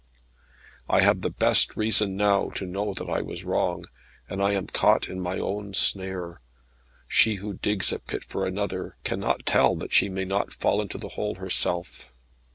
I have the best reason now to know that I was wrong, and I am caught in my own snare. She who digs a pit for another, cannot tell that she may not fall into the hole herself.